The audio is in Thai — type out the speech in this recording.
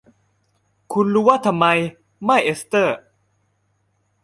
คุณรู้ว่าทำไมไม่ เอสเธอร์